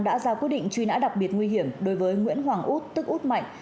đã ra quyết định truy nã đặc biệt nguy hiểm đối với nguyễn hoàng út tức út mạnh